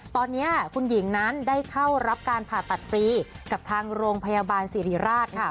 ตอนนี้คุณหญิงนั้นได้เข้ารับการผ่าตัดฟรีกับทางโรงพยาบาลสิริราชค่ะ